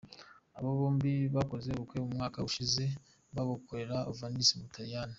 Aba bombi bakoze ubukwe mu mwaka ushize babukorera I Venice mu Butaliyani.